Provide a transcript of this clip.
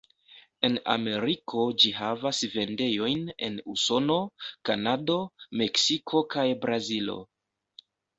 En Ameriko ĝi havas vendejojn en Usono, Kanado, Meksiko kaj Brazilo.